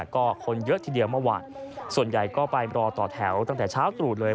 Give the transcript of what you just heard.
ก็คนเยอะทีเดียวเมื่อวานส่วนใหญ่ก็ไปรอต่อแถวตั้งแต่เช้าตรูดเลย